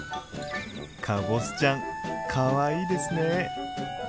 かぼすちゃんかわいいですね！